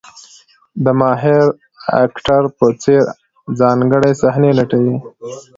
د ماهر اکټر په څېر ځانګړې صحنې لټوي.